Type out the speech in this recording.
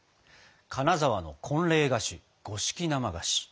金沢の婚礼菓子五色生菓子。